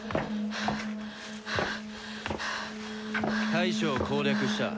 大将を攻略した。